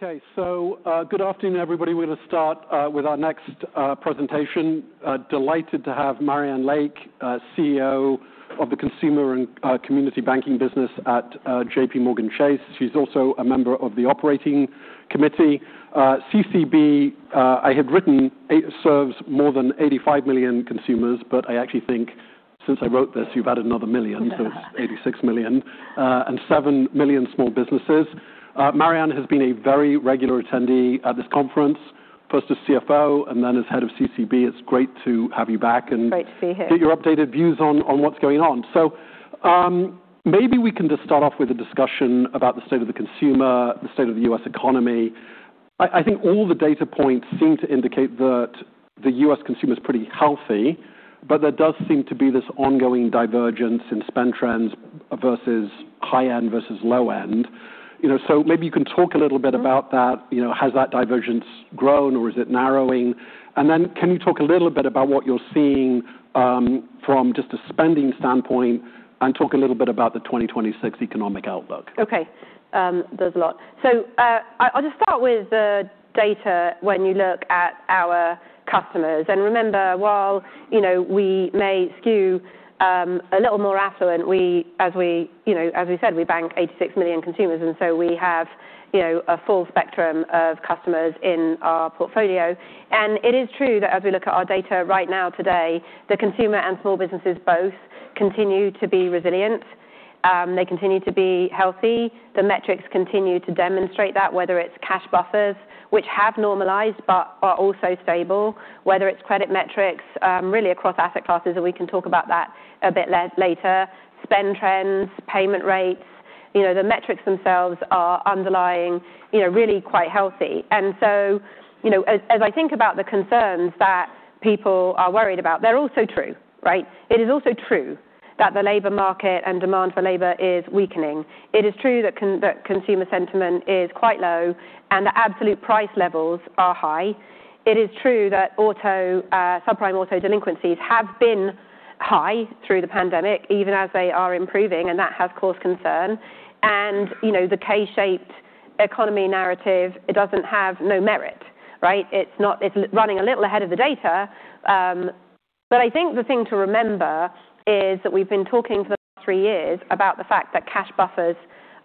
Okay, so, good afternoon, everybody. We're going to start with our next presentation. Delighted to have Marianne Lake, CEO of the Consumer and Community Banking business at JPMorgan Chase. She's also a member of the Operating Committee. CCB, I had written it serves more than 85 million consumers, but I actually think since I wrote this, you've added another million, so it's 86 million, and 7 million small businesses. Marianne has been a very regular attendee at this conference, first as CFO and then as head of CCB. It's great to have you back and. Great to be here. Get your updated views on what's going on. Maybe we can just start off with a discussion about the state of the consumer, the state of the U.S. economy. I think all the data points seem to indicate that the U.S. consumer is pretty healthy, but there does seem to be this ongoing divergence in spend trends versus high-end versus low-end. You know, so maybe you can talk a little bit about that. You know, has that divergence grown or is it narrowing? And then can you talk a little bit about what you're seeing from just a spending standpoint and talk a little bit about the 2026 economic outlook? Okay, there's a lot, so I'll just start with the data when you look at our customers, and remember, while you know we may skew a little more affluent, as we said, we bank 86 million consumers, and so we have you know a full spectrum of customers in our portfolio, and it is true that as we look at our data right now today, the consumer and small businesses both continue to be resilient. They continue to be healthy. The metrics continue to demonstrate that, whether it's cash buffers, which have normalized but are also stable, whether it's credit metrics really across asset classes, and we can talk about that a bit later. Spend trends, payment rates, you know, the metrics themselves are underlying you know really quite healthy. And so, you know, as I think about the concerns that people are worried about, they're also true, right? It is also true that the labor market and demand for labor is weakening. It is true that consumer sentiment is quite low and that absolute price levels are high. It is true that auto subprime auto delinquencies have been high through the pandemic, even as they are improving, and that has caused concern. And, you know, the K-shaped economy narrative, it doesn't have no merit, right? It's not, it's running a little ahead of the data, but I think the thing to remember is that we've been talking for the last three years about the fact that cash buffers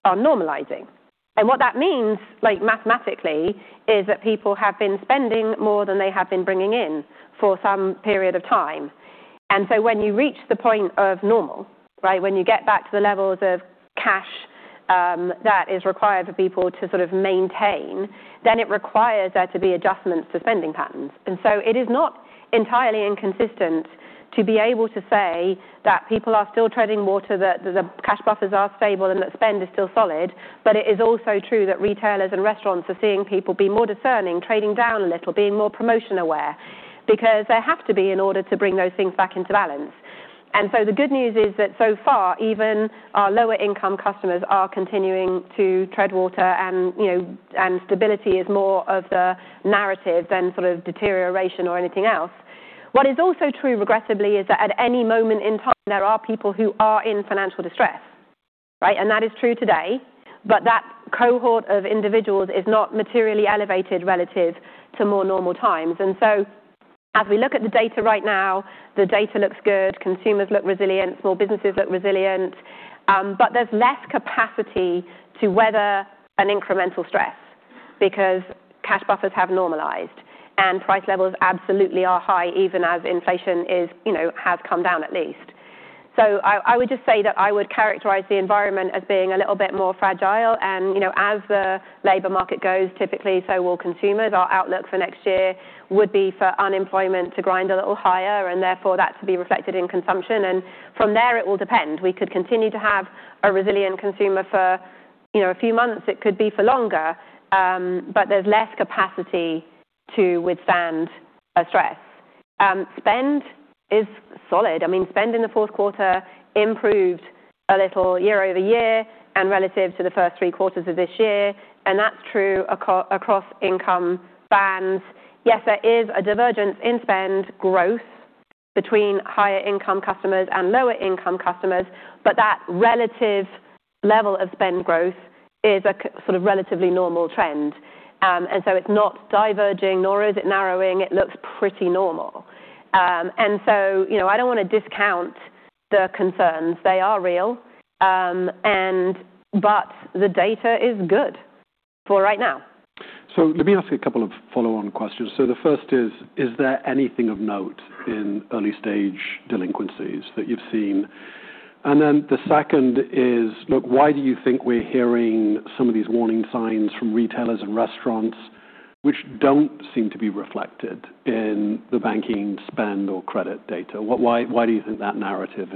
are normalizing. And what that means, like mathematically, is that people have been spending more than they have been bringing in for some period of time. And so when you reach the point of normal, right, when you get back to the levels of cash that is required for people to sort of maintain, then it requires there to be adjustments to spending patterns. And so it is not entirely inconsistent to be able to say that people are still treading water, that the cash buffers are stable and that spend is still solid. But it is also true that retailers and restaurants are seeing people be more discerning, trading down a little, being more promotion aware, because there have to be in order to bring those things back into balance. And so the good news is that so far, even our lower-income customers are continuing to tread water and, you know, and stability is more of the narrative than sort of deterioration or anything else. What is also true, regrettably, is that at any moment in time, there are people who are in financial distress, right, and that is true today, but that cohort of individuals is not materially elevated relative to more normal times, and so as we look at the data right now, the data looks good. Consumers look resilient, small businesses look resilient, but there's less capacity to weather an incremental stress because cash buffers have normalized and price levels absolutely are high, even as inflation is, you know, has come down at least, so I would just say that I would characterize the environment as being a little bit more fragile, and, you know, as the labor market goes, typically so will consumers. Our outlook for next year would be for unemployment to grind a little higher and therefore that to be reflected in consumption. And from there, it will depend. We could continue to have a resilient consumer for, you know, a few months. It could be for longer, but there's less capacity to withstand a stress. Spend is solid. I mean, spend in the fourth quarter improved a little year-over-year and relative to the first three quarters of this year. And that's true across income bands. Yes, there is a divergence in spend growth between higher-income customers and lower-income customers, but that relative level of spend growth is a sort of relatively normal trend. And so it's not diverging, nor is it narrowing. It looks pretty normal. And so, you know, I don't want to discount the concerns. They are real. And, but the data is good for right now. Let me ask a couple of follow-on questions. The first is, is there anything of note in early-stage delinquencies that you've seen? And then the second is, look, why do you think we're hearing some of these warning signs from retailers and restaurants which don't seem to be reflected in the banking spend or credit data? What, why do you think that narrative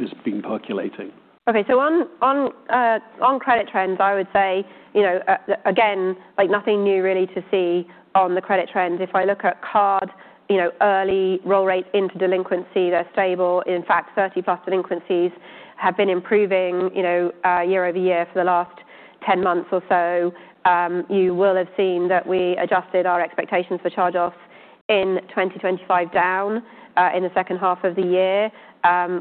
is being percolating? Okay, so on credit trends, I would say, you know, again, like nothing new really to see on the credit trends. If I look at Card, you know, early roll rate into delinquency, they're stable. In fact, 30+ delinquencies have been improving, you know, year-over-year for the last 10 months or so. You will have seen that we adjusted our expectations for charge-offs in 2025 down, in the second half of the year,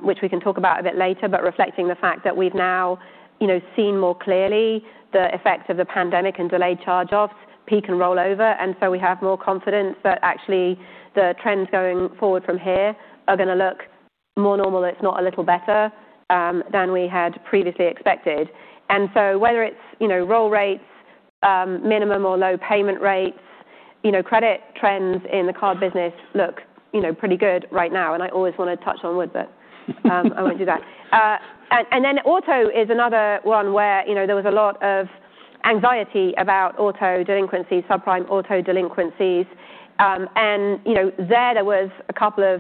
which we can talk about a bit later, but reflecting the fact that we've now, you know, seen more clearly the effect of the pandemic and delayed charge-offs, peak and rollover. And so we have more confidence that actually the trends going forward from here are going to look more normal. It's not a little better than we had previously expected. And so whether it's, you know, roll rates, minimum or low payment rates, you know, credit trends in the Card business look, you know, pretty good right now. And I always want to touch on wood, but I won't do that. And then auto is another one where, you know, there was a lot of anxiety about auto delinquencies, subprime auto delinquencies. And, you know,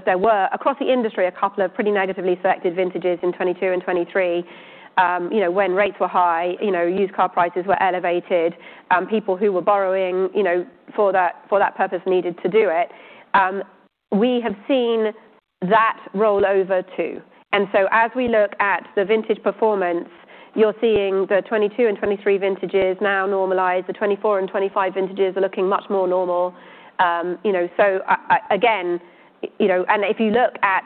there were across the industry a couple of pretty negatively selected vintages in 2022 and 2023, you know, when rates were high, you know, used car prices were elevated. People who were borrowing, you know, for that purpose needed to do it. We have seen that rollover too. And so as we look at the vintage performance, you're seeing the 2022 and 2023 vintages now normalize. The 2024 and 2025 vintages are looking much more normal. You know, so I again, you know, and if you look at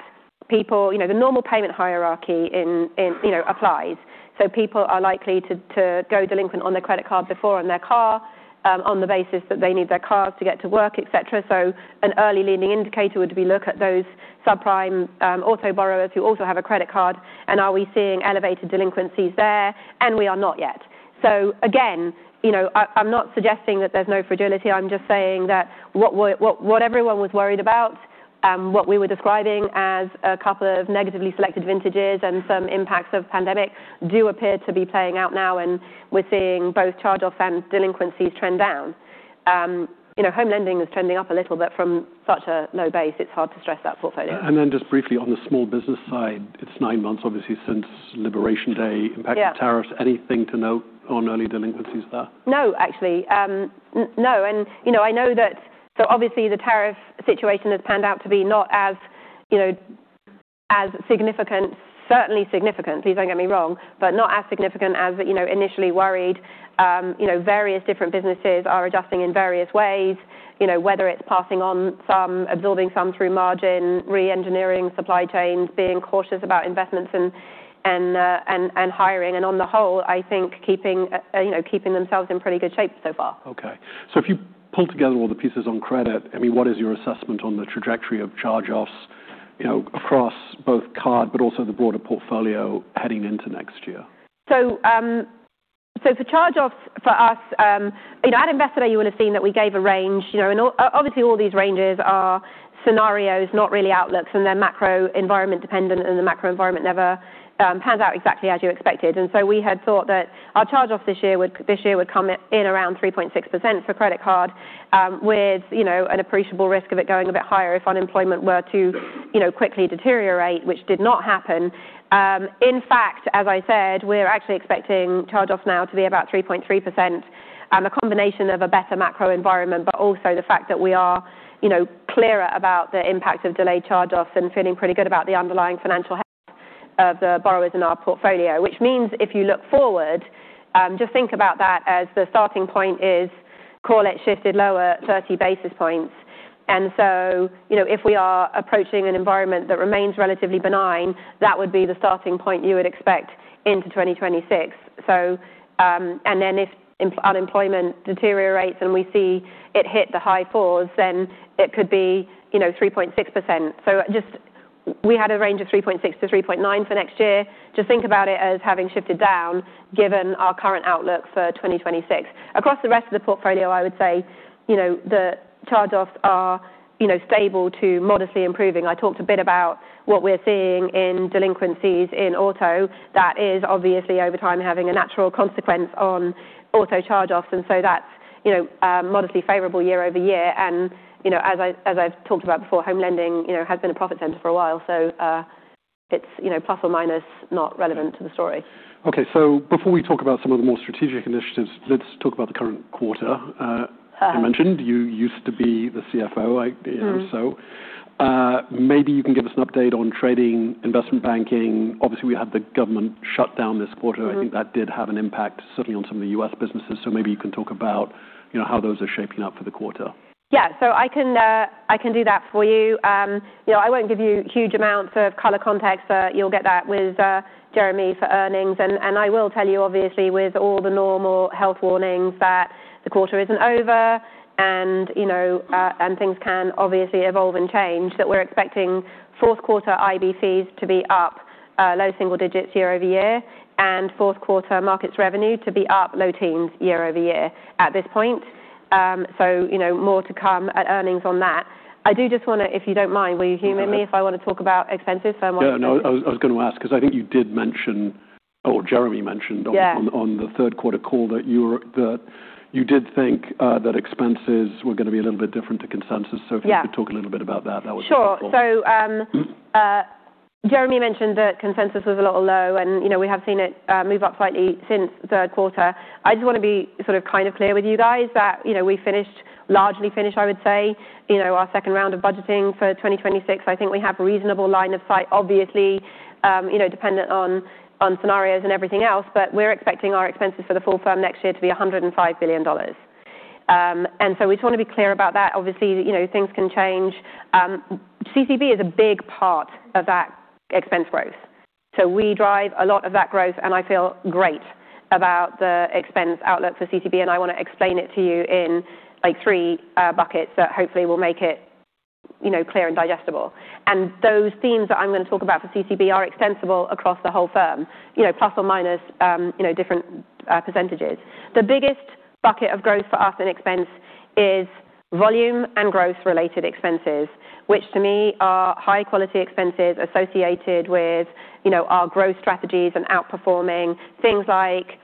people, you know, the normal payment hierarchy in, you know, applies. So people are likely to go delinquent on their credit card before on their car, on the basis that they need their cars to get to work, et cetera. So an early leading indicator would be look at those subprime auto borrowers who also have a credit card. And are we seeing elevated delinquencies there? And we are not yet. So again, you know, I'm not suggesting that there's no fragility. I'm just saying that what we're, what everyone was worried about, what we were describing as a couple of negatively selected vintages and some impacts of pandemic do appear to be playing out now. And we're seeing both charge-offs and delinquencies trend down. You know, Home Lending is trending up a little, but from such a low base, it's hard to stress that portfolio. And then just briefly on the small business side, it's nine months, obviously, since Liberation Day impacted tariffs. Anything to note on early delinquencies there? No, actually. And, you know, I know that, so obviously the tariff situation has panned out to be not as, you know, as significant, certainly significant, please don't get me wrong, but not as significant as, you know, initially worried. You know, various different businesses are adjusting in various ways, you know, whether it's passing on some, absorbing some through margin, re-engineering supply chains, being cautious about investments and hiring. And on the whole, I think keeping, you know, themselves in pretty good shape so far. Okay. So if you pull together all the pieces on credit, I mean, what is your assessment on the trajectory of charge-offs, you know, across both Card, but also the broader portfolio heading into next year? So, for charge-offs for us, you know, at Investor, you would have seen that we gave a range, you know, and obviously all these ranges are scenarios, not really outlooks, and they're macro environment dependent, and the macro environment never pans out exactly as you expected. And so we had thought that our charge-offs this year would come in around 3.6% for credit card, with, you know, an appreciable risk of it going a bit higher if unemployment were to, you know, quickly deteriorate, which did not happen. In fact, as I said, we're actually expecting charge-offs now to be about 3.3%, a combination of a better macro environment, but also the fact that we are, you know, clearer about the impact of delayed charge-offs and feeling pretty good about the underlying financial health of the borrowers in our portfolio, which means if you look forward, just think about that as the starting point is call it shifted lower 30 basis points. So you know, if we are approaching an environment that remains relatively benign, that would be the starting point you would expect into 2026. Then if unemployment deteriorates and we see it hit the high fours, then it could be, you know, 3.6%. So just we had a range of 3.6%-3.9% for next year. Just think about it as having shifted down given our current outlook for 2026. Across the rest of the portfolio, I would say, you know, the charge-offs are, you know, stable to modestly improving. I talked a bit about what we're seeing in delinquencies in auto. That is obviously over time having a natural consequence on auto charge-offs, and so that's, you know, modestly favorable year-over-year, and, you know, as I, as I've talked about before, Home Lending, you know, has been a profit center for a while, so, it's, you know, plus or minus not relevant to the story. Okay. So before we talk about some of the more strategic initiatives, let's talk about the current quarter. You mentioned you used to be the CFO, I, you know, so, maybe you can give us an update on trading, Investment Banking. Obviously, we had the government shutdown this quarter. I think that did have an impact certainly on some of the U.S. businesses. So maybe you can talk about, you know, how those are shaping up for the quarter. Yeah. So I can, I can do that for you. You know, I won't give you huge amounts of color context, but you'll get that with Jeremy for earnings. And, and I will tell you, obviously, with all the normal health warnings that the quarter isn't over and, you know, and things can obviously evolve and change that we're expecting fourth quarter IB fees to be up low single digits year-over-year and fourth quarter Markets revenue to be up low teens year-over-year at this point. So, you know, more to come at earnings on that. I do just want to, if you don't mind, will you humor me if I want to talk about expenses for a moment? Yeah. No, I was going to ask because I think you did mention, or Jeremy mentioned on the third quarter call that you did think that expenses were going to be a little bit different to consensus. So if you could talk a little bit about that, that would be helpful. Sure. So, Jeremy mentioned that consensus was a little low and, you know, we have seen it move up slightly since third quarter. I just want to be sort of kind of clear with you guys that, you know, we finished, largely finished, I would say, you know, our second round of budgeting for 2026. I think we have a reasonable line of sight, obviously, you know, dependent on, on scenarios and everything else, but we're expecting our expenses for the full firm next year to be $105 billion, and so we just want to be clear about that. Obviously, you know, things can change. CCB is a big part of that expense growth. So we drive a lot of that growth and I feel great about the expense outlook for CCB. I want to explain it to you in like three buckets that hopefully will make it you know clear and digestible. Those themes that I'm going to talk about for CCB are extensible across the whole firm you know plus or minus you know different percentages. The biggest bucket of growth for us in expense is volume and growth-related expenses which to me are high-quality expenses associated with you know our growth strategies and outperforming things like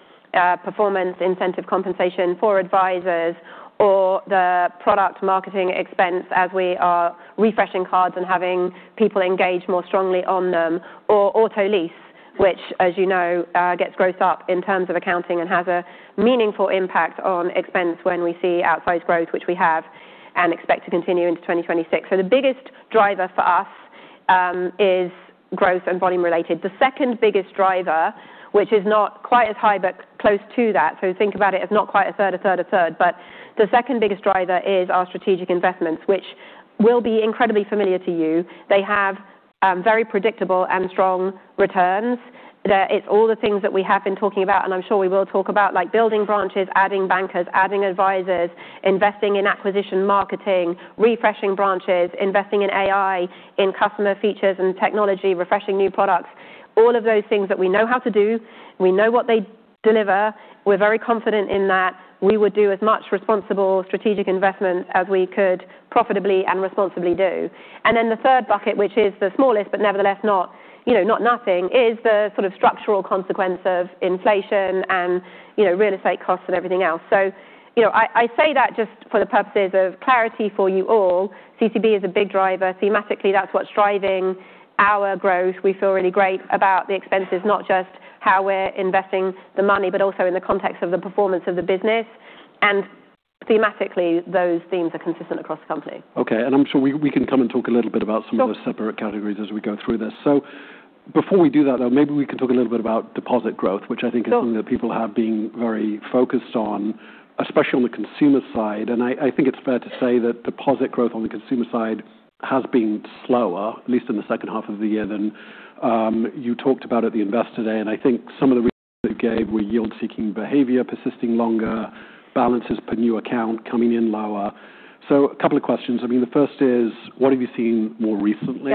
performance incentive compensation for advisors or the product marketing expense as we are refreshing Cards and having people engage more strongly on them or auto lease which as you know gets grossed up in terms of accounting and has a meaningful impact on expense when we see outsized growth which we have and expect to continue into 2026. The biggest driver for us is growth and volume-related. The second biggest driver, which is not quite as high, but close to that. So think about it as not quite a third, a third, a third, but the second biggest driver is our strategic investments, which will be incredibly familiar to you. They have very predictable and strong returns. That's all the things that we have been talking about and I'm sure we will talk about, like building branches, adding bankers, adding advisors, investing in acquisition marketing, refreshing branches, investing in AI, in customer features and technology, refreshing new products, all of those things that we know how to do. We know what they deliver. We're very confident in that we would do as much responsible strategic investment as we could profitably and responsibly do. And then the third bucket, which is the smallest, but nevertheless not, you know, not nothing, is the sort of structural consequence of inflation and, you know, real estate costs and everything else. So, you know, I say that just for the purposes of clarity for you all. CCB is a big driver. Thematically, that's what's driving our growth. We feel really great about the expenses, not just how we're investing the money, but also in the context of the performance of the business. And thematically, those themes are consistent across the company. Okay. And I'm sure we can come and talk a little bit about some of the separate categories as we go through this. So before we do that though, maybe we can talk a little bit about deposit growth, which I think is something that people have been very focused on, especially on the consumer side. And I think it's fair to say that deposit growth on the consumer side has been slower, at least in the second half of the year than you talked about at the Investor Day. And I think some of the reasons that you gave were yield-seeking behavior persisting longer, balances per new account coming in lower. So a couple of questions. I mean, the first is, what have you seen more recently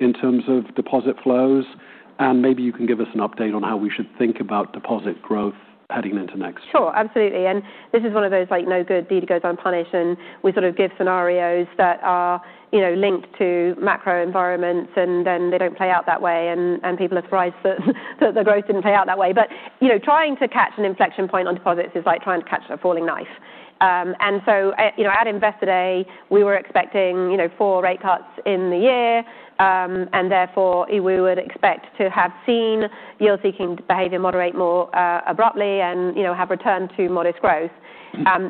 in terms of deposit flows? Maybe you can give us an update on how we should think about deposit growth heading into next year? Sure. Absolutely. This is one of those like no good deed goes unpunished, and we sort of give scenarios that are, you know, linked to macro environments and then they don't play out that way. People are surprised that the growth didn't play out that way. But you know, trying to catch an inflection point on deposits is like trying to catch a falling knife. So you know, at Investor Day, we were expecting, you know, four rate cuts in the year. Therefore we would expect to have seen yield-seeking behavior moderate more abruptly and, you know, have returned to modest growth.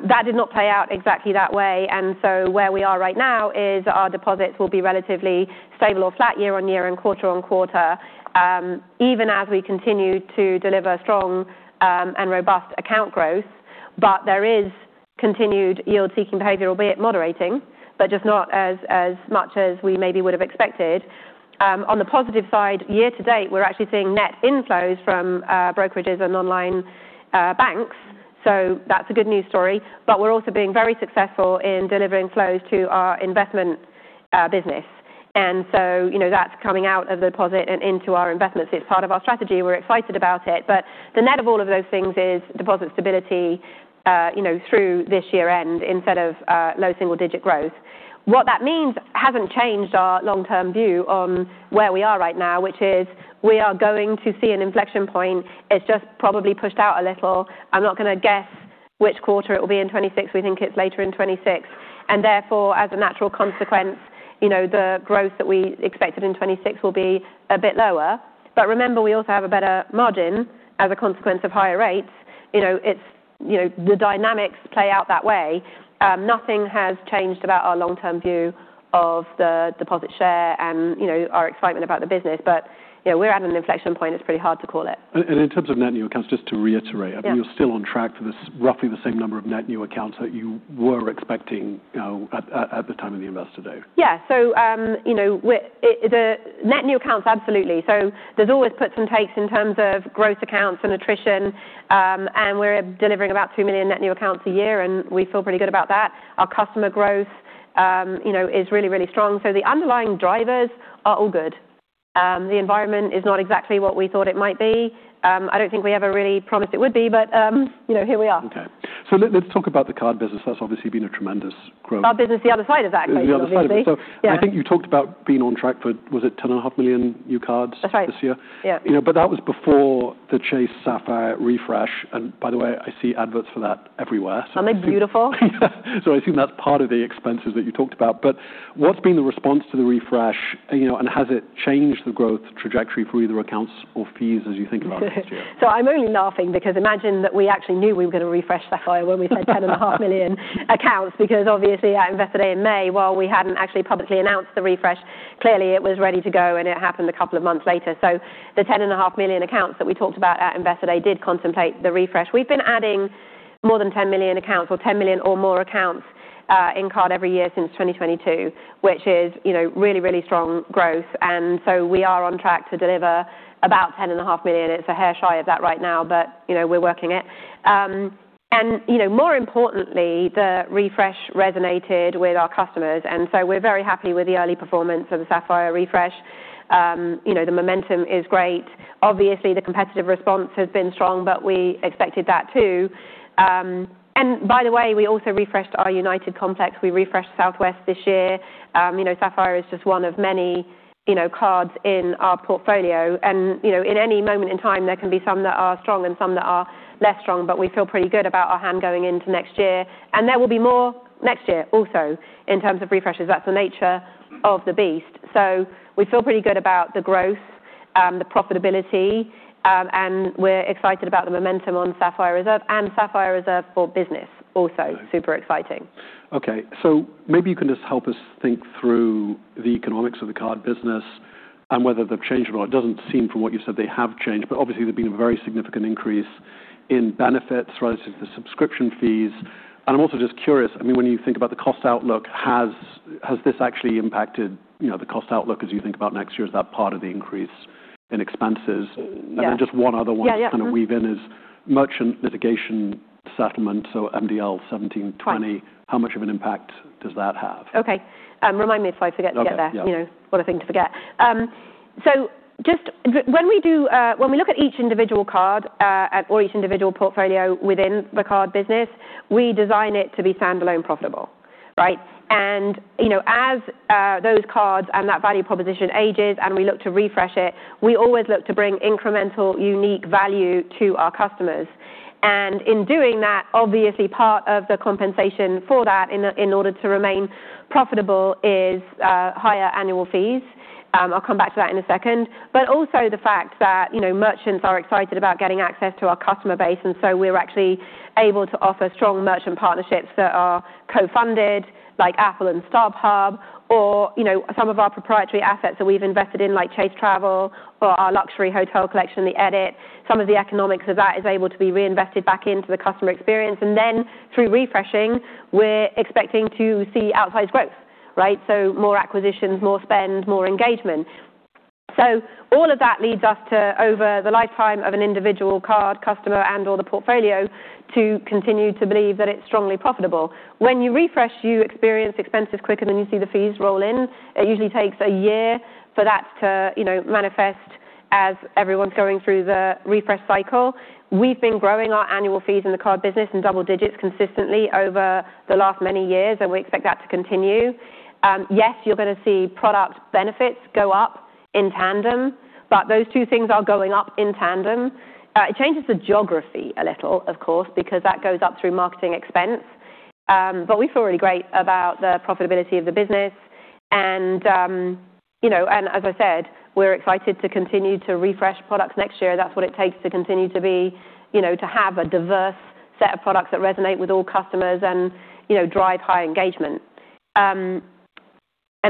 That did not play out exactly that way. So where we are right now is our deposits will be relatively stable or flat year-on-year and quarter-on-quarter, even as we continue to deliver strong and robust account growth. But there is continued yield-seeking behavior, albeit moderating, but just not as much as we maybe would have expected. On the positive side, year to date, we're actually seeing net inflows from brokerages and online banks. So that's a good news story. But we're also being very successful in delivering flows to our investment business. And so, you know, that's coming out of the deposit and into our investments. It's part of our strategy. We're excited about it. But the net of all of those things is deposit stability, you know, through this year end instead of low single digit growth. What that means hasn't changed our long-term view on where we are right now, which is we are going to see an inflection point. It's just probably pushed out a little. I'm not going to guess which quarter it will be in 2026. We think it's later in 2026, and therefore, as a natural consequence, you know, the growth that we expected in 2026 will be a bit lower, but remember, we also have a better margin as a consequence of higher rates. You know, it's, you know, the dynamics play out that way. Nothing has changed about our long-term view of the deposit share and, you know, our excitement about the business, but, you know, we're at an inflection point. It's pretty hard to call it. In terms of net new accounts, just to reiterate, I mean, you're still on track for this roughly the same number of net new accounts that you were expecting, at the time of the Investor Day. Yeah. So, you know, we're, it, the net new accounts, absolutely, so there's always puts and takes in terms of growth accounts and attrition, and we're delivering about two million net new accounts a year, and we feel pretty good about that. Our customer growth, you know, is really, really strong, so the underlying drivers are all good. The environment is not exactly what we thought it might be. I don't think we ever really promised it would be, but, you know, here we are. Okay, so let's talk about the Card business. That's obviously been a tremendous growth. Card business, the other side of that, basically. The other side of it. So I think you talked about being on track for, was it 10.5 million new cards this year? That's right. Yeah. You know, but that was before the Chase Sapphire refresh. And by the way, I see adverts for that everywhere. Aren't they beautiful? Yeah. So I assume that's part of the expenses that you talked about. But what's been the response to the refresh, you know, and has it changed the growth trajectory for either accounts or fees as you think about it this year? I'm only laughing because imagine that we actually knew we were going to refresh Sapphire when we said 10.5 million accounts, because obviously at Investor Day in May, while we hadn't actually publicly announced the refresh, clearly it was ready to go and it happened a couple of months later. So the 10.5 million accounts that we talked about at Investor Day did contemplate the refresh. We've been adding more than 10 million accounts or 10 million or more accounts in Cards every year since 2022, which is, you know, really, really strong growth. And so we are on track to deliver about 10.5 million. It's a hair shy of that right now, but, you know, we're working it, and, you know, more importantly, the refresh resonated with our customers. And so we're very happy with the early performance of the Sapphire refresh. You know, the momentum is great. Obviously, the competitive response has been strong, but we expected that too. And by the way, we also refreshed our United co-brands. We refreshed Southwest this year. You know, Sapphire is just one of many, you know, Cards in our portfolio. And, you know, in any moment in time, there can be some that are strong and some that are less strong, but we feel pretty good about our hand going into next year. And there will be more next year also in terms of refreshes. That's the nature of the beast. So we feel pretty good about the growth, the profitability, and we're excited about the momentum on Sapphire Reserve and Sapphire Reserve for Business also. Super exciting. Okay. So maybe you can just help us think through the economics of the Card business and whether they've changed or not. It doesn't seem from what you've said they have changed, but obviously there've been a very significant increase in benefits relative to the subscription fees. And I'm also just curious, I mean, when you think about the cost outlook, has this actually impacted, you know, the cost outlook as you think about next year? Is that part of the increase in expenses? And then just one other one to kind of weave in is merchant litigation settlement, so MDL 1720. How much of an impact does that have? Okay. Remind me if I forget to get there. You know, what a thing to forget, so just when we do, when we look at each individual card, or each individual portfolio within the Card business, we design it to be standalone, profitable, right? And you know, as those Cards and that value proposition ages and we look to refresh it, we always look to bring incremental unique value to our customers. And in doing that, obviously part of the compensation for that in order to remain profitable is higher annual fees. I'll come back to that in a second, but also the fact that, you know, merchants are excited about getting access to our customer base. And so we're actually able to offer strong merchant partnerships that are co-funded, like Apple and StubHub, or, you know, some of our proprietary assets that we've invested in, like Chase Travel or our luxury hotel collection, The Edit. Some of the economics of that is able to be reinvested back into the customer experience. And then through refreshing, we're expecting to see outsized growth, right? So more acquisitions, more spend, more engagement. So all of that leads us to over the lifetime of an individual card customer and/or the portfolio to continue to believe that it's strongly profitable. When you refresh, you experience expenses quicker than you see the fees roll in. It usually takes a year for that to, you know, manifest as everyone's going through the refresh cycle. We've been growing our annual fees in the Card business in double digits consistently over the last many years, and we expect that to continue. Yes, you're going to see product benefits go up in tandem, but those two things are going up in tandem. It changes the geography a little, of course, because that goes up through marketing expense, but we feel really great about the profitability of the business, and, you know, and as I said, we're excited to continue to refresh products next year. That's what it takes to continue to be, you know, to have a diverse set of products that resonate with all customers and, you know, drive high engagement, and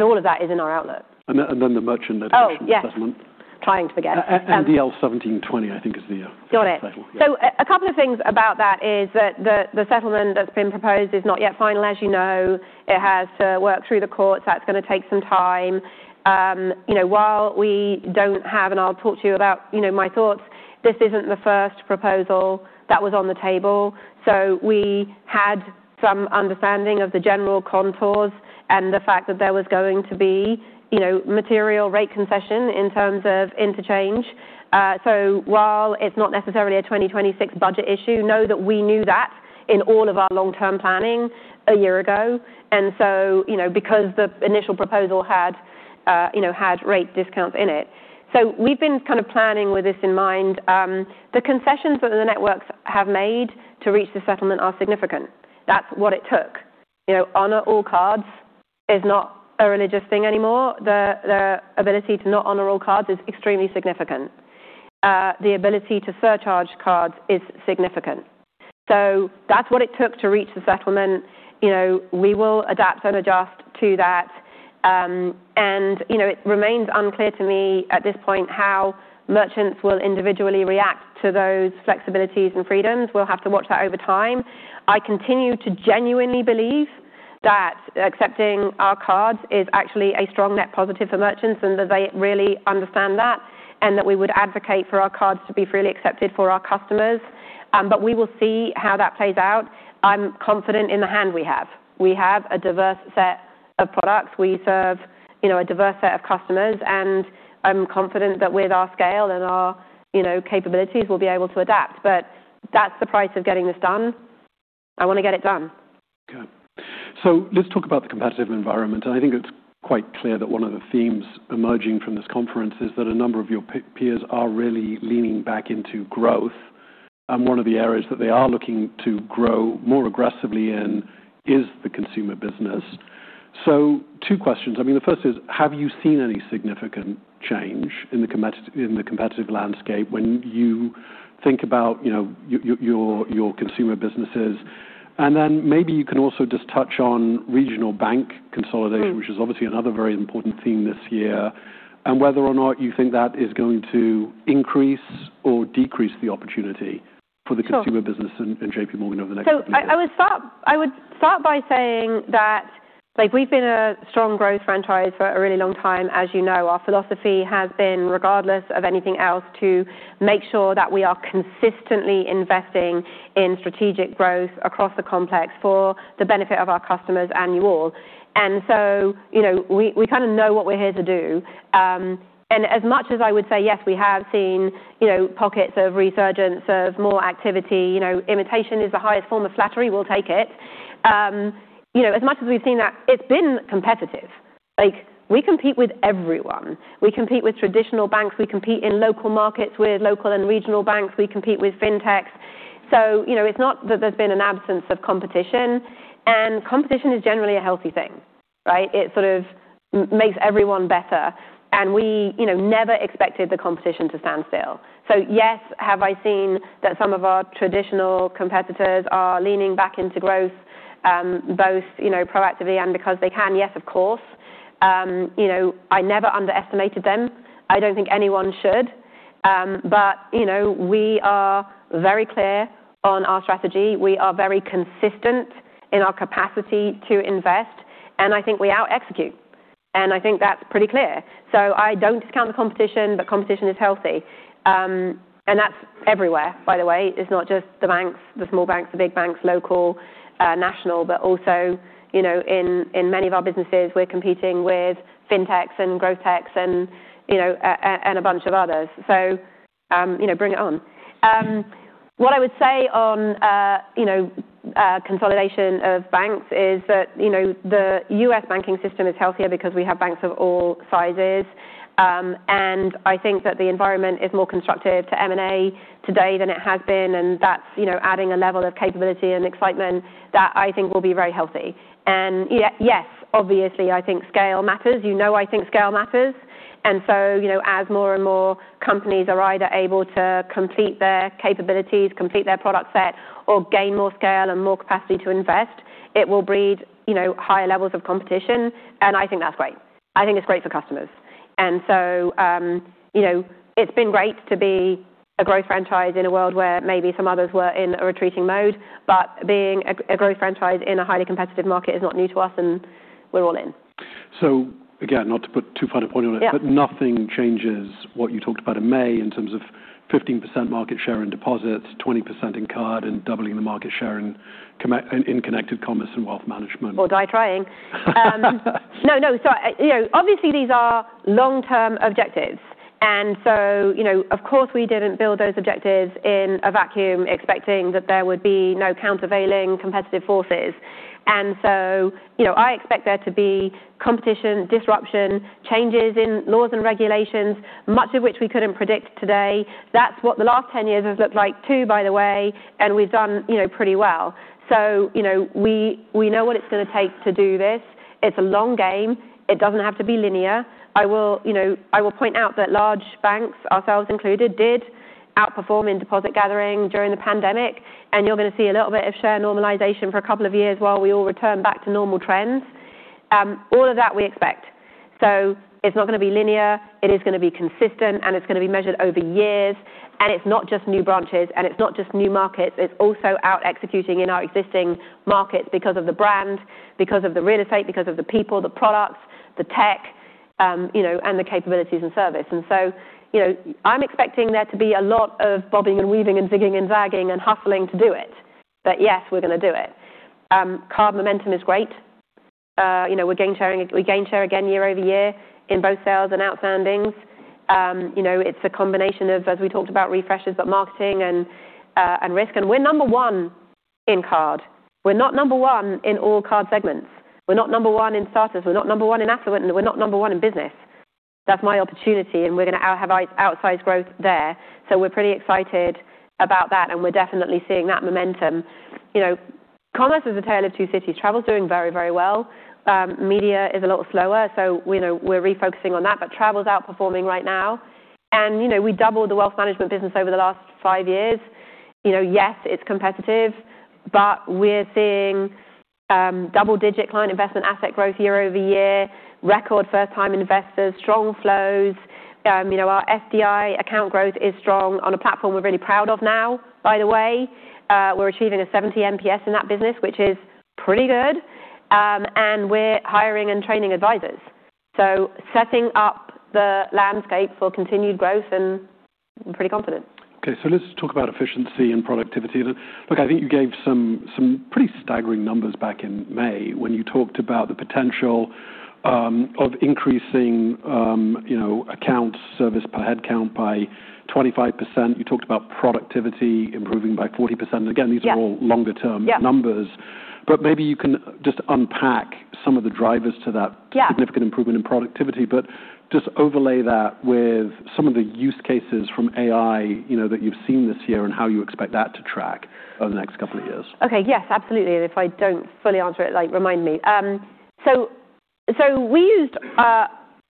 all of that is in our outlook. And then the merchant litigation settlement. Yeah. Trying to forget. MDL 1720, I think, is the. Got it. So a couple of things about that is that the settlement that's been proposed is not yet final, as you know. It has to work through the courts. That's going to take some time, you know, while we don't have, and I'll talk to you about, you know, my thoughts. This isn't the first proposal that was on the table, so we had some understanding of the general contours and the fact that there was going to be, you know, material rate concession in terms of interchange, so while it's not necessarily a 2026 budget issue, know that we knew that in all of our long-term planning a year ago, and so, you know, because the initial proposal had, you know, had rate discounts in it, so we've been kind of planning with this in mind. The concessions that the networks have made to reach the settlement are significant. That's what it took. You know, honor all cards is not a religious thing anymore. The ability to not honor all cards is extremely significant. The ability to surcharge cards is significant, so that's what it took to reach the settlement. You know, we will adapt and adjust to that, and, you know, it remains unclear to me at this point how merchants will individually react to those flexibilities and freedoms. We'll have to watch that over time. I continue to genuinely believe that accepting our cards is actually a strong net positive for merchants and that they really understand that and that we would advocate for our cards to be freely accepted for our customers, but we will see how that plays out. I'm confident in the hand we have. We have a diverse set of products. We serve, you know, a diverse set of customers. And I'm confident that with our scale and our, you know, capabilities, we'll be able to adapt. But that's the price of getting this done. I want to get it done. Okay. So let's talk about the competitive environment. And I think it's quite clear that one of the themes emerging from this conference is that a number of your peers are really leaning back into growth. And one of the areas that they are looking to grow more aggressively in is the consumer business. So two questions. I mean, the first is, have you seen any significant change in the competitive landscape when you think about, you know, your consumer businesses? And then maybe you can also just touch on regional bank consolidation, which is obviously another very important theme this year, and whether or not you think that is going to increase or decrease the opportunity for the consumer business and JPMorgan over the next couple of years. So I would start by saying that, like, we've been a strong growth franchise for a really long time. As you know, our philosophy has been, regardless of anything else, to make sure that we are consistently investing in strategic growth across the complex for the benefit of our customers and you all. And so, you know, we kind of know what we're here to do. And as much as I would say, yes, we have seen, you know, pockets of resurgence, of more activity, you know, imitation is the highest form of flattery. We'll take it. You know, as much as we've seen that, it's been competitive. Like, we compete with everyone. We compete with traditional banks. We compete in local Markets with local and regional banks. We compete with fintechs. So, you know, it's not that there's been an absence of competition. And competition is generally a healthy thing, right? It sort of makes everyone better. And we, you know, never expected the competition to stand still. So yes, have I seen that some of our traditional competitors are leaning back into growth, both, you know, proactively and because they can? Yes, of course. You know, I never underestimated them. I don't think anyone should. But, you know, we are very clear on our strategy. We are very consistent in our capacity to invest. And I think we out-execute. And I think that's pretty clear. So I don't discount the competition, but competition is healthy. And that's everywhere, by the way. It's not just the banks, the small banks, the big banks, local, national, but also, you know, in many of our businesses, we're competing with fintechs and growth techs and, you know, and a bunch of others. So, you know, bring it on. What I would say on, you know, consolidation of banks is that, you know, the U.S. banking system is healthier because we have banks of all sizes, and I think that the environment is more constructive to M&A today than it has been. And that's, you know, adding a level of capability and excitement that I think will be very healthy, and yes, obviously, I think scale matters. You know, I think scale matters, and so, you know, as more and more companies are either able to complete their capabilities, complete their product set, or gain more scale and more capacity to invest, it will breed, you know, higher levels of competition, and I think that's great. I think it's great for customers. So, you know, it's been great to be a growth franchise in a world where maybe some others were in a retreating mode. Being a growth franchise in a highly competitive market is not new to us, and we're all in. So again, not to put too fine a point on it, but nothing changes what you talked about in May in terms of 15% market share in deposits, 20% in Card, and doubling the market share in connected commerce and Wealth Management. Or die trying. No, no. So I, you know, obviously these are long-term objectives. And so, you know, of course we didn't build those objectives in a vacuum expecting that there would be no countervailing competitive forces. And so, you know, I expect there to be competition, disruption, changes in laws and regulations, much of which we couldn't predict today. That's what the last 10 years have looked like too, by the way. And we've done, you know, pretty well. So, you know, we know what it's going to take to do this. It's a long game. It doesn't have to be linear. I will, you know, I will point out that large banks, ourselves included, did outperform in deposit gathering during the pandemic. And you're going to see a little bit of share normalization for a couple of years while we all return back to normal trends. All of that we expect. So it's not going to be linear. It is going to be consistent, and it's going to be measured over years. And it's not just new branches, and it's not just new Markets. It's also out-executing in our existing Markets because of the brand, because of the real estate, because of the people, the products, the tech, you know, and the capabilities and service. And so, you know, I'm expecting there to be a lot of bobbing and weaving and zigging and zagging and hustling to do it. But yes, we're going to do it. Card momentum is great. You know, we're gaining share again year over year in both sales and outstandings. You know, it's a combination of, as we talked about, refreshes, but marketing and risk. And we're number one in Card. We're not number one in all Card segments. We're not number one in starters. We're not number one in affluent. And we're not number one in business. That's my opportunity. And we're going to have outsized growth there. So we're pretty excited about that. And we're definitely seeing that momentum. You know, commerce is a tale of two cities. Travel's doing very, very well. Media is a little slower. So, you know, we're refocusing on that, but travel's outperforming right now. And, you know, we doubled the Wealth Management business over the last five years. You know, yes, it's competitive, but we're seeing double-digit client investment asset growth year-over-year, record first-time investors, strong flows. You know, our SDI account growth is strong on a platform we're really proud of now, by the way. We're achieving a 70 NPS in that business, which is pretty good. And we're hiring and training advisors. Setting up the landscape for continued growth, and I'm pretty confident. Okay, so let's talk about efficiency and productivity, and look, I think you gave some pretty staggering numbers back in May when you talked about the potential of increasing, you know, account service per head count by 25%. You talked about productivity improving by 40%, and again, these are all longer-term numbers, but maybe you can just unpack some of the drivers to that significant improvement in productivity, but just overlay that with some of the use cases from AI, you know, that you've seen this year and how you expect that to track over the next couple of years? Okay. Yes, absolutely. And if I don't fully answer it, like, remind me.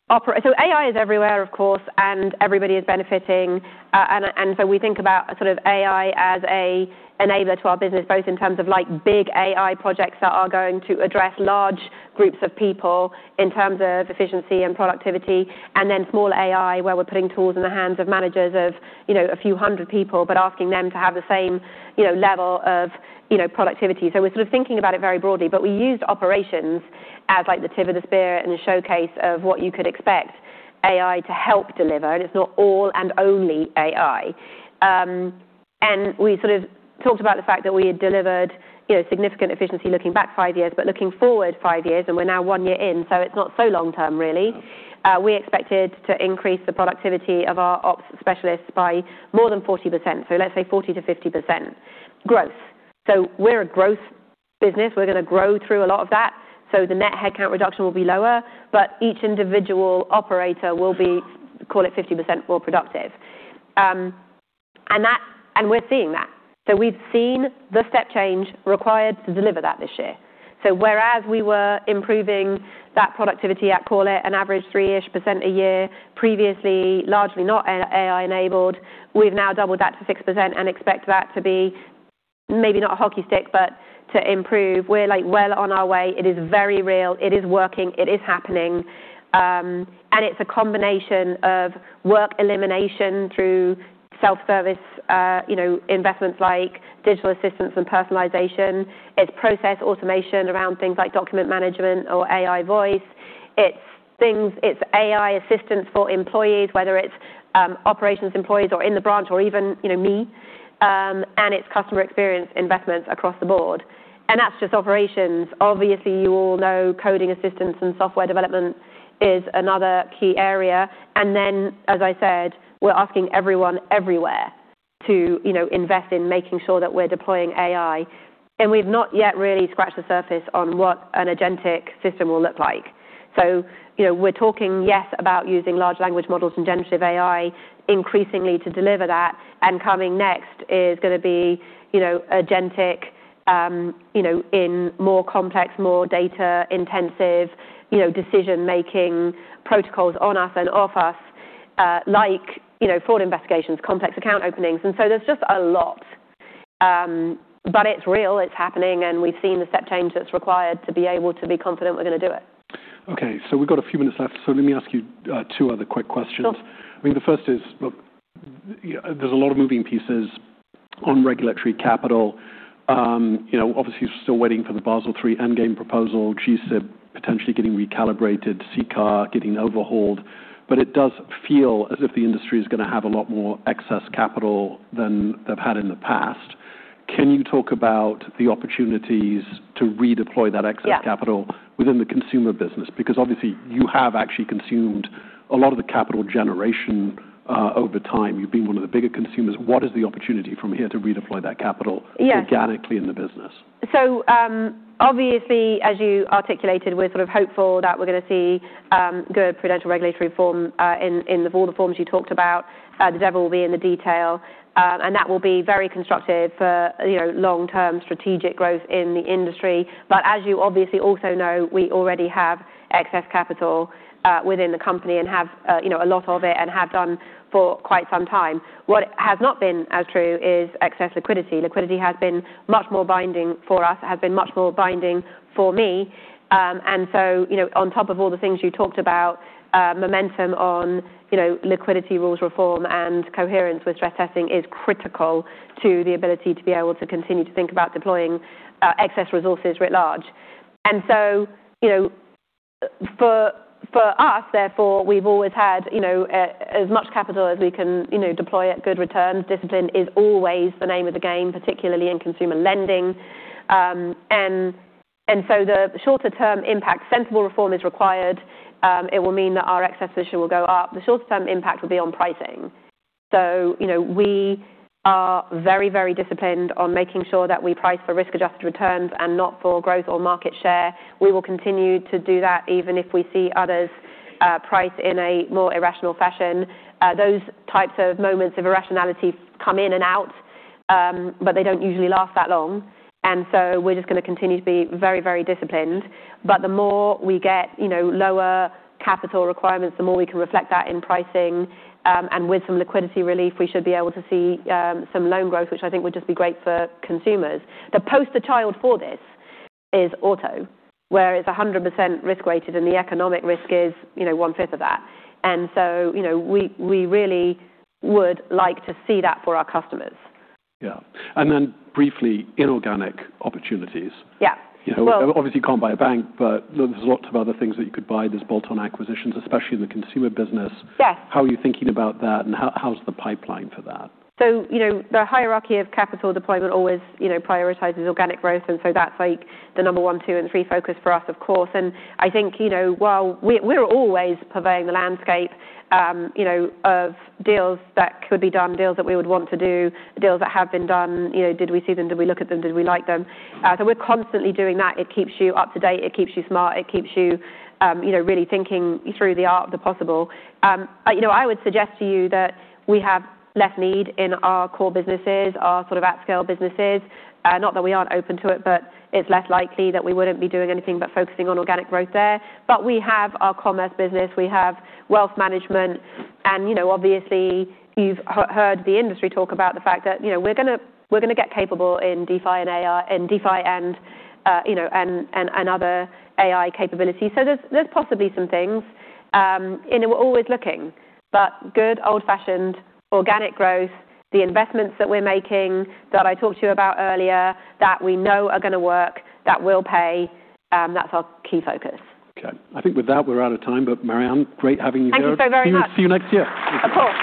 So AI is everywhere, of course, and everybody is benefiting. And so we think about sort of AI as an enabler to our business, both in terms of, like, big AI projects that are going to address large groups of people in terms of efficiency and productivity, and then small AI where we're putting tools in the hands of managers of, you know, a few hundred people, but asking them to have the same, you know, level of, you know, productivity. So we're sort of thinking about it very broadly, but we used Operations as, like, the tip of the spear and the showcase of what you could expect AI to help deliver. And it's not all and only AI. And we sort of talked about the fact that we had delivered, you know, significant efficiency looking back five years, but looking forward five years, and we're now one year in. So it's not so long-term, really. We expected to increase the productivity of our ops specialists by more than 40%. So let's say 40%-50% growth. So we're a growth business. We're going to grow through a lot of that. So the net headcount reduction will be lower, but each individual operator will be, call it, 50% more productive. And that, and we're seeing that. So we've seen the step change required to deliver that this year. So whereas we were improving that productivity, I'd call it an average 3-ish% a year, previously largely not AI-enabled, we've now doubled that to 6% and expect that to be maybe not a hockey stick, but to improve. We're like well on our way. It is very real. It is working. It is happening, and it's a combination of work elimination through self-service, you know, investments like digital assistance and personalization. It's process automation around things like document management or AI voice. It's things, it's AI assistance for employees, whether it's Operations employees or in the branch or even, you know, me, and it's customer experience investments across the board, and that's just Operations. Obviously, you all know coding assistance and software development is another key area, and then, as I said, we're asking everyone everywhere to, you know, invest in making sure that we're deploying AI, and we've not yet really scratched the surface on what an agentic system will look like. So, you know, we're talking, yes, about using large language models and generative AI increasingly to deliver that. Coming next is going to be, you know, agentic, you know, in more complex, more data-intensive, you know, decision-making protocols on us and off us, like, you know, fraud investigations, complex account openings. So there's just a lot, but it's real. It's happening. We've seen the step change that's required to be able to be confident we're going to do it. Okay. So we've got a few minutes left. So let me ask you, two other quick questions. I mean, the first is, look, there's a lot of moving pieces on regulatory capital. You know, obviously we're still waiting for the Basel III Endgame proposal, G-SIB potentially getting recalibrated, CCAR getting overhauled. But it does feel as if the industry is going to have a lot more excess capital than they've had in the past. Can you talk about the opportunities to redeploy that excess capital within the consumer business? Because obviously you have actually consumed a lot of the capital generation, over time. You've been one of the bigger consumers. What is the opportunity from here to redeploy that capital organically in the business? So, obviously, as you articulated, we're sort of hopeful that we're going to see good prudential regulatory reform in all the forms you talked about. The devil will be in the detail. And that will be very constructive for you know long-term strategic growth in the industry. But as you obviously also know, we already have excess capital within the company and have you know a lot of it and have done for quite some time. What has not been as true is excess liquidity. Liquidity has been much more binding for us. It has been much more binding for me. And so you know on top of all the things you talked about, momentum on you know liquidity rules reform and coherence with stress testing is critical to the ability to be able to continue to think about deploying excess resources writ large. And so, you know, for us, therefore, we've always had, you know, as much capital as we can, you know, deploy at good returns. Discipline is always the name of the game, particularly in consumer lending. And so, the shorter-term impact, sensible reform is required. It will mean that our excess position will go up. The shorter-term impact will be on pricing. So, you know, we are very, very disciplined on making sure that we price for risk-adjusted returns and not for growth or market share. We will continue to do that even if we see others price in a more irrational fashion. Those types of moments of irrationality come in and out, but they don't usually last that long. And so we're just going to continue to be very, very disciplined. But the more we get, you know, lower capital requirements, the more we can reflect that in pricing. And with some liquidity relief, we should be able to see some loan growth, which I think would just be great for consumers. The poster child for this is auto, where it's 100% risk-weighted and the economic risk is, you know, one-fifth of that. And so, you know, we really would like to see that for our customers. Yeah. And then, briefly, inorganic opportunities. Yeah. You know, obviously you can't buy a bank, but there's lots of other things that you could buy. There's bolt-on acquisitions, especially in the consumer business. Yes. How are you thinking about that and how's the pipeline for that? So, you know, the hierarchy of capital deployment always, you know, prioritizes organic growth. And so that's like the number one, two, and three focus for us, of course. And I think, you know, while we're always surveying the landscape, you know, of deals that could be done, deals that we would want to do, deals that have been done, you know, did we see them? Did we look at them? Did we like them? So we're constantly doing that. It keeps you up to date. It keeps you smart. It keeps you, you know, really thinking through the art of the possible. You know, I would suggest to you that we have less need in our core businesses, our sort of at-scale businesses. Not that we aren't open to it, but it's less likely that we wouldn't be doing anything but focusing on organic growth there. But we have our commerce business. We have Wealth management. And, you know, obviously you've heard the industry talk about the fact that, you know, we're going to get capable in DeFi and AI and DeFi and, you know, and other AI capabilities. So there's possibly some things, and we're always looking, but good, old-fashioned organic growth, the investments that we're making that I talked to you about earlier that we know are going to work, that will pay, that's our key focus. Okay. I think with that, we're out of time, but Marianne, great having you here. Thank you so very much. See you next year. Of course.